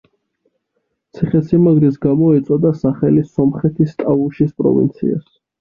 ციხესიმაგრის გამო ეწოდა სახელი სომხეთის ტავუშის პროვინციას.